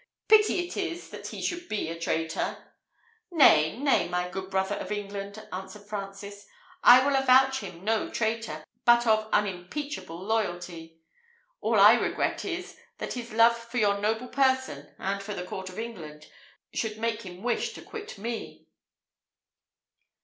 Pity it is that he should be a traitor." "Nay, nay, my good brother of England," answered Francis; "I will avouch him no traitor, but of unimpeachable loyalty. All I regret is, that his love for your noble person, and for the court of England, should make him wish to quit me.